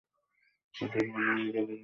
হঠাৎ মনে হল, যেন নৌবাহিনী যুদ্ধে যাচ্ছে।